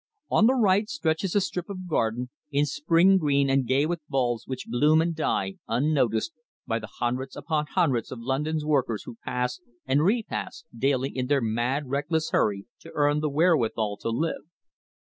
On the right stretches a strip of garden, in spring green and gay with bulbs which bloom and die unnoticed by the hundreds upon hundreds of London's workers who pass and re pass daily in their mad, reckless hurry to earn the wherewithal to live.